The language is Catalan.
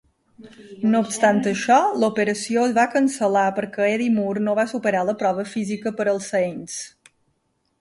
No obstant això, l'operació es va cancel·lar perquè Eddie Moore no va superar la prova física per als Saints.